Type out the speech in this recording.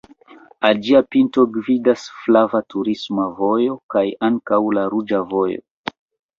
Al ĝia pinto gvidas flava turisma vojo kaj ankaŭ la ruĝa vojo.